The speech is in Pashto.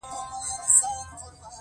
• د ورځې لمونځ د زړونو تیاره ختموي.